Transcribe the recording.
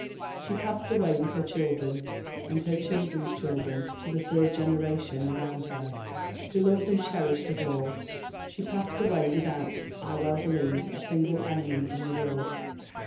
"She passed away with her children and her children's children to the third generation around her, beloved and cherished of all. She passed away without, I well believe, a single enemy in the world.